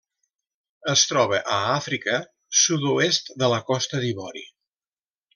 Es troba a Àfrica: sud-oest de la Costa d'Ivori.